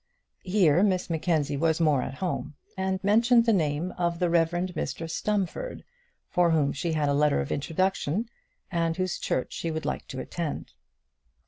Here Miss Mackenzie was more at home, and mentioned the name of the Rev. Mr Stumfold, for whom she had a letter of introduction, and whose church she would like to attend.